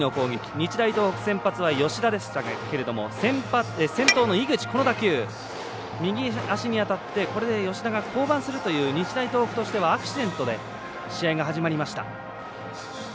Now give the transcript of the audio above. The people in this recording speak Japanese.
日大東北先発は吉田ですけれども井口の打球が右足に当たってこれで吉田が降板するという日大東北としてはアクシデントで試合が始まりました。